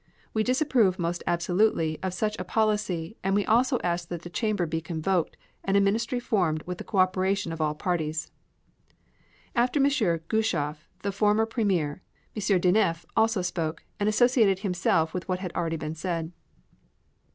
We disapprove most absolutely of such a policy, and we also ask that the Chamber be convoked, and a Ministry formed with the co operation of all parties." After M. Gueshoff, the former Premier, M. Daneff also spoke, and associated himself with what had already been said.